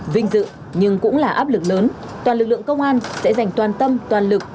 vinh dự nhưng cũng là áp lực lớn toàn lực lượng công an sẽ dành toàn tâm toàn lực